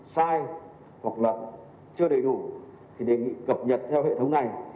sai hoặc là chưa đầy đủ thì đề nghị cập nhật theo hệ thống này